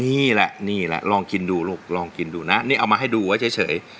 นี่แหละนี่แหละลองกินดูลูกลองกินดูนะนี่เอามาให้ดูไว้เฉย